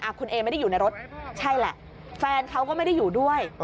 คุณเอไม่ได้อยู่ในรถใช่แหละแฟนเขาก็ไม่ได้อยู่ด้วย